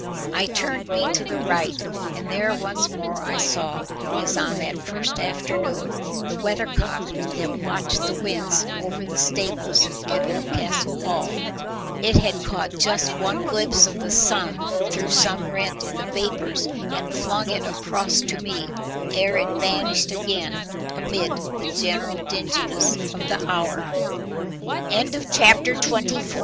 I turned me to the right, and there once more I saw, as on that first afternoon, the weathercock that watched the winds over the stables at Oldcastle Hall. It had caught just one glimpse of the sun through some rent in the vapours, and flung it across to me, ere it vanished again amid the general dingine